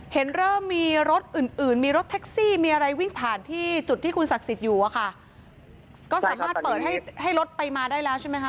เห็นเริ่มมีรถอื่นมีรถแท็กซี่มีอะไรวิ่งผ่านที่จุดที่คุณศักดิ์สิทธิ์อยู่ค่ะก็สามารถให้รถไปมาได้ใช่มั้ยคะ